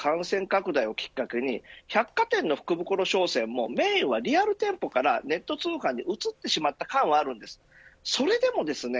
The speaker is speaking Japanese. コロナ禍や感染拡大をきっかけに百貨店の福袋商戦もメインはリアル店舗からネット通販に移ってしまった感はあるんです。